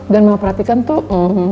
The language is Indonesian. dan mau perhatikan tuh